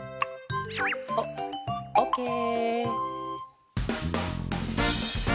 オオッケー。